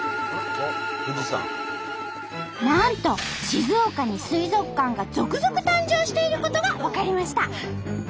なんと静岡に水族館が続々誕生していることが分かりました。